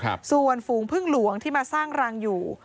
ครับส่วนฝูงพึ่งหลวงที่มาสร้างรังอยู่